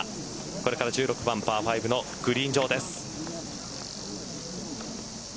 これから１６番パー５のグリーン上です。